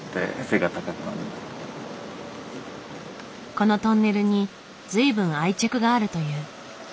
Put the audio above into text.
このトンネルに随分愛着があるという。